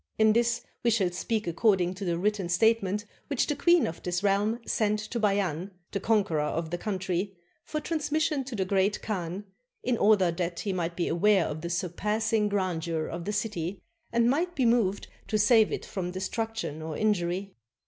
In this we shall speak accord ing to the written statement which the queen of this realm sent to Bay an, the conqueror of the country, for transmission to the Great Khan, in order that he might be aware of the surpassing grandeur of the city and might be moved to save it from destruction or injury.